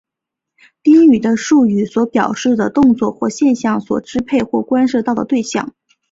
宾语是述语所表示的动作或现象所支配或关涉到的对象。